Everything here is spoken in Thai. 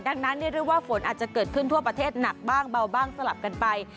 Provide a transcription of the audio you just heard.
ดังนั้นเรียกได้ว่าฝนอาจจะเกิดขึ้นทั่วประเทศหนักบ้างเบาบ้างสลับกันไป